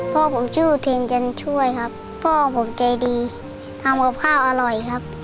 พ่อผมชื่อทีมจันช่วยครับพ่อผมใจดีทำกับข้าวอร่อยครับ